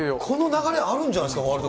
この流れ、あるんじゃないですか。